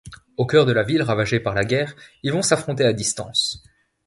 Au cœur de la ville ravagée par la guerre, ils vont s'affronter à distance...